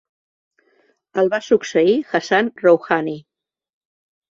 El va succeir Hassan Rouhani.